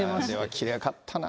きれいかったな。